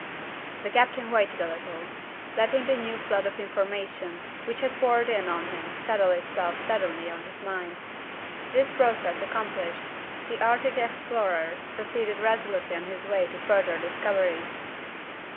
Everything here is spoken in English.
The captain waited a little letting the new flood of information which had poured in on him settle itself steadily in his mind. This process accomplished, the Arctic explorer proceeded resolutely on his way to further discoveries.